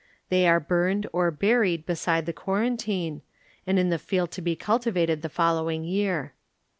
They are burned or buried beside the quarantine, and in the field to be cul tivated the following year.